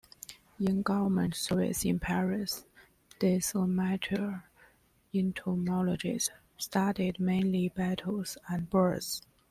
In government service in Paris, this amateur entomologist studied mainly beetles and birds.